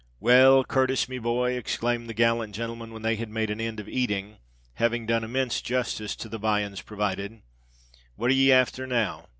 "Well, Cu r r tis, me boy," exclaimed the gallant gentleman, when they had made an end of eating, having done immense justice to the viands provided, "what are ye afther now?